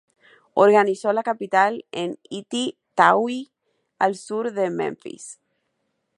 Organizó la capital en Ity-tauy, al sur de Menfis.